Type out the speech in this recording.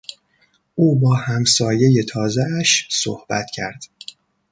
او با همسایهی تازهاش صحبت کرد.